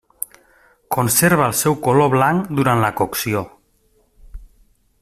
Conserva el seu color blanc durant la cocció.